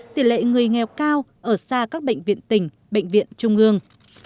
tỷ lệ người nghèo cao ở xa các bệnh viện tỉnh bệnh viện trung ương